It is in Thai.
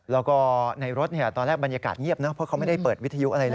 แล้วก็ในรถตอนแรกบรรยากาศเงียบนะเพราะเขาไม่ได้เปิดวิทยุอะไรนะ